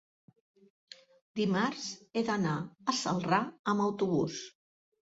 dimarts he d'anar a Celrà amb autobús.